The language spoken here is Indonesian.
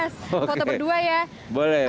foto berdua ya